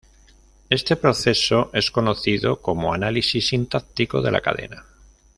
Este proceso es conocido como análisis sintáctico de la cadena.